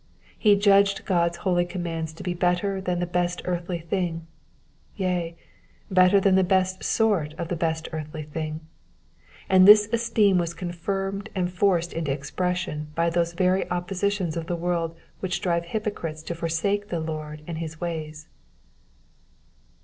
He judged God's holy commands to be better than the best earthly thing, yea, better than the best sort of the best earthly thing ; and this esteem was confirmed and forced into expression by those very oppositions of the world which drive hypocrites to forsake the Lord and his ways.